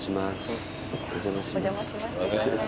お邪魔します